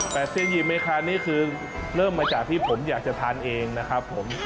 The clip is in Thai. แต่เสียงหิเมคานนี่คือเริ่มมาจากที่ผมอยากจะทานเองนะครับผม